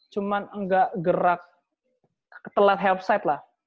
cuman nggak gerak ketelat halfside lah